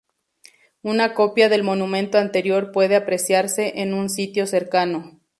Una copia del monumento anterior puede apreciarse en un sitio cercano.